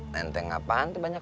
menteng apaan tuh banyak